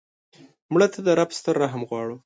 مړه ته د رب ستر رحم غواړو